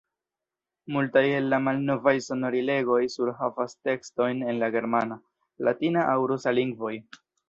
Multaj el la malnovaj sonorilegoj surhavas tekstojn en la germana, latina aŭ rusa lingvoj.